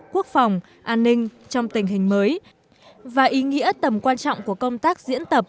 quốc phòng an ninh trong tình hình mới và ý nghĩa tầm quan trọng của công tác diễn tập